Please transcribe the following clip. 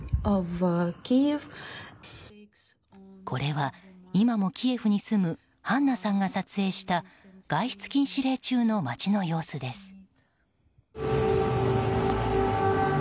これは今もキエフに住むハンナさんが撮影した外出禁止令中の街の様子です。